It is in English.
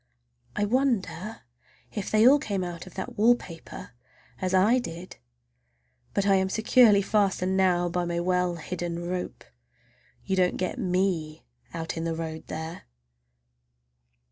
I wonder if they all come out of that wallpaper as I did? But I am securely fastened now by my well hidden rope—you don't get me out in the road there!